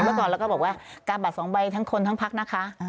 เมื่อก่อนเราก็บอกว่ากาบัตรสองใบทั้งคนทั้งพักนะคะ